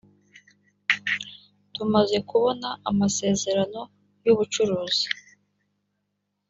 tumaze kubona amasezerano y ubucuruzi